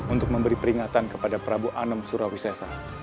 untuk memberi peringatan kepada prabu anom suraweseza